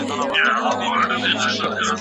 عادي کارونه کله ستونزمن شي.